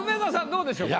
どうでしょうか？